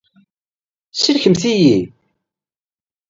Sellkemt-iyi.